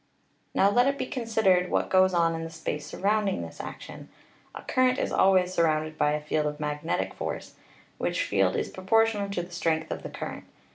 Now let it be considered what goes on in the space sur rounding this action. A current is always surrounded by a field of magnetic force, which field is proportional to the strength of the current.